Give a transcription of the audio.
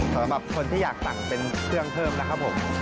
สำหรับคนที่อยากสั่งเป็นเครื่องเพิ่มนะครับผม